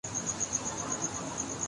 اور نسل کشی قدرت سے بغاوت کا مترادف ہونا